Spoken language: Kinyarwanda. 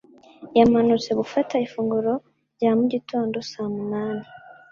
Yamanutse gufata ifunguro rya mu gitondo saa munani.